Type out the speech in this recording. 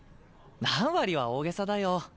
何割は大げさだよ。